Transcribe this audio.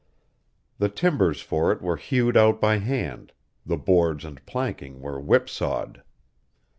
The timbers for it were hewed out by hand; the boards and planking were whipsawed.